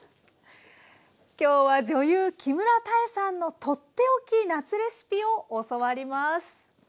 今日は女優木村多江さんのとっておき夏レシピを教わります。